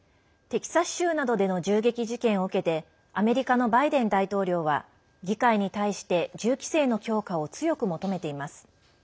テキサス州などでの銃撃事件を受けてアメリカのバイデン大統領は議会に対して銃規制の強化を強く求めています。